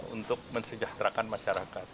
untuk mensejahterakan masyarakat